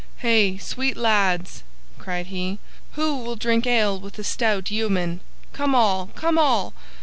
"Hey, sweet lads!" cried he "who will drink ale with a stout yeoman? Come, all! Come, all!